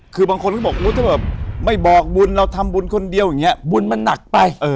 คือบางคนก็บอกถ้าเกิดไม่บอกบุญเราทำบุญคนเดียวอย่างนี้บุญมันหนักไป